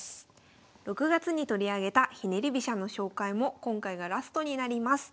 ６月に取り上げたひねり飛車の紹介も今回がラストになります。